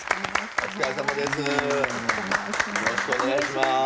よろしくお願いします。